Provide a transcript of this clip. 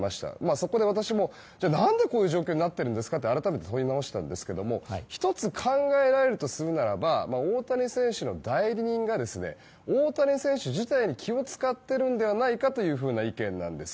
そこで私も何でこういう状況になっているんですかと改めて問い直したんですが１つ、考えられるとするならば大谷選手の代理人が大谷選手自体に気を使っているのではないかという意見なんです。